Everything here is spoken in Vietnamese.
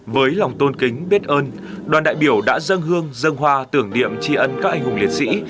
với lòng tôn kính biết ơn đoàn đại biểu đã dâng hương dâng hoa tưởng điệm chi ấn các anh hùng liệt sĩ